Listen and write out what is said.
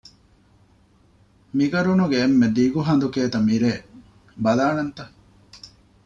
މި ގަރުނުގެ އެންމެ ދިގު ހަނދު ކޭތަ މިރޭ، ބަލާނަންތަ؟